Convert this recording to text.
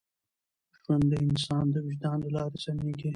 ژوند د انسان د وجدان له لارې سمېږي.